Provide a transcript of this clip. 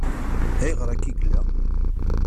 Ayɣer akka i yella?